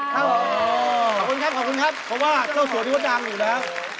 ขอบคุณครับขอบคุณครับเพราะว่าเจ้าสัวพี่มดดำอยู่แล้ว